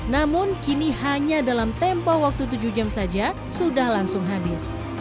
namun kini hanya dalam tempo waktu tujuh jam saja sudah langsung habis